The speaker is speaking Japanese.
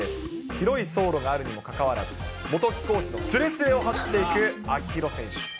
広い走路があるにもかかわらず、元木コーチのすれすれを走っていく秋広選手。